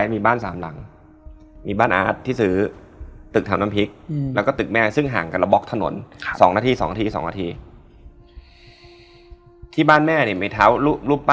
ไม่น่าเชื่อว่า